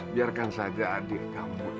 biarkan saja adik kamu itu ya